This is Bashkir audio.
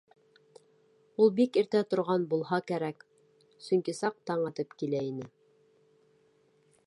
Ул бик иртә торған булһа кәрәк, сөнки саҡ таң атып килә ине.